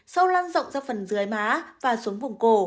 sau lan rộng ra phần dưới má và xuống vùng cổ